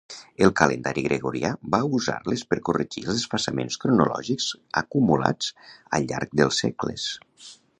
El calendari gregorià va usar-les per corregir els desfasaments cronològics acumulats al llarg dels segles.